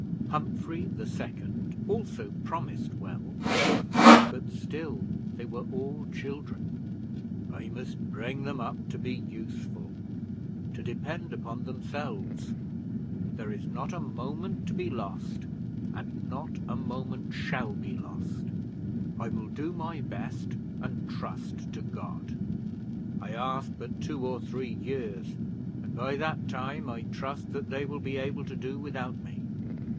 Humphrey, the second, also promised well; but still they were all children. "I must bring them up to be useful to depend upon themselves; there is not a moment to be lost, and not a moment shall be lost; I will do my best, and trust to God; I ask but two or three years, and by that time I trust that they will be able to do without me.